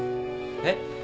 えっ？